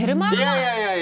いやいやいやいや。